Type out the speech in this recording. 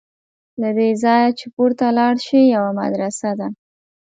له دې ځایه چې پورته لاړ شې یوه مدرسه ده.